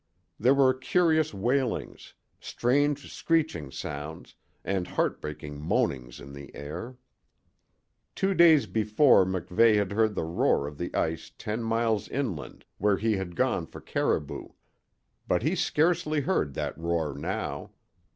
There were curious wailings, strange screeching sounds, and heartbreaking moanings in the air. Two days before MacVeigh had heard the roar of the ice ten miles inland, where he had gone for caribou. But he scarcely heard that roar now.